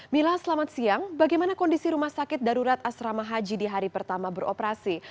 mila selamat siang bagaimana kondisi rumah sakit darurat asrama haji di hari pertama beroperasi